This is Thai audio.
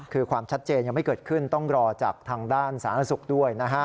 คือความชัดเจนยังไม่เกิดขึ้นต้องรอจากทางด้านสาธารณสุขด้วยนะฮะ